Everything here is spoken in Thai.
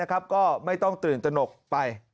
ก็ไม่ต้องตื่นตนกไป